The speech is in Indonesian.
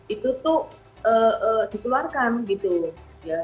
itu tuh dikeluarkan gitu ya